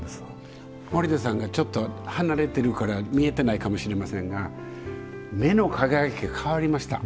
森田さんがちょっと離れてるから見えてないかもしれませんが目の輝きが変わりました。